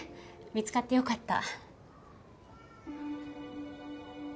見つかってよかった。